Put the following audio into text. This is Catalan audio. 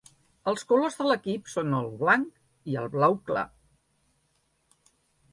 Els colors de l'equip són el blanc i el blau clar.